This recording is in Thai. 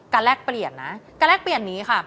แลกเปลี่ยนนะการแลกเปลี่ยนนี้ค่ะ